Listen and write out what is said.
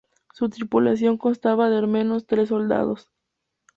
Su tripulación constaba de al menos tres soldados.